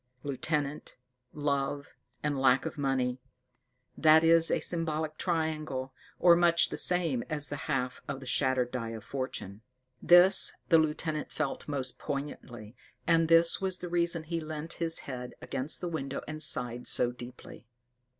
Lieutenant, love, and lack of money that is a symbolic triangle, or much the same as the half of the shattered die of Fortune. This the lieutenant felt most poignantly, and this was the reason he leant his head against the window, and sighed so deeply.